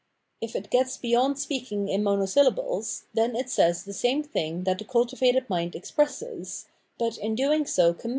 If it gets beyond speaking in monosyllables, then it says the same thing that the cultivated mind expresses, but in doing so commits, * Diderotj Bameav!